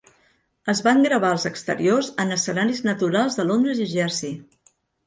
Es van gravar els exteriors en escenaris naturals de Londres i Jersey.